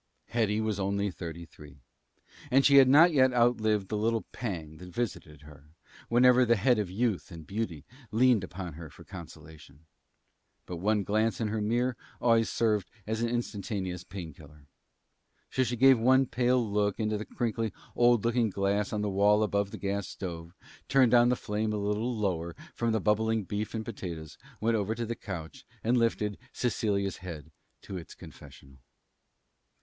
Hetty was only thirty three, and she had not yet outlived the little pang that visited her whenever the head of youth and beauty leaned upon her for consolation. But one glance in her mirror always served as an instantaneous pain killer. So she gave one pale look into the crinkly old looking glass on the wall above the gas stove, turned down the flame a little lower from the bubbling beef and potatoes, went over to the couch, and lifted Cecilia's head to its confessional.